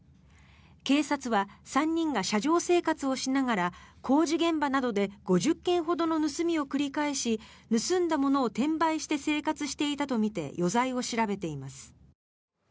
警察は３人が車上生活をしながら工事現場などで５０件ほどの盗みを繰り返し盗んだものを転売して生活していたとみて余罪を調べています。